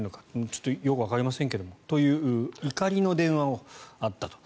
ちょっとよくわかりませんがそういう怒りの電話があったと。